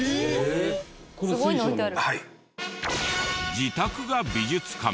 自宅が美術館。